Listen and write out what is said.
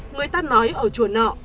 người ta nói ở chùa nọ